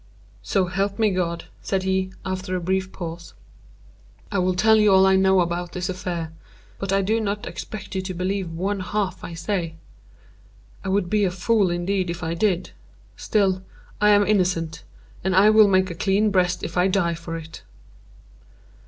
"So help me God!" said he, after a brief pause, "I will tell you all I know about this affair;—but I do not expect you to believe one half I say—I would be a fool indeed if I did. Still, I am innocent, and I will make a clean breast if I die for it."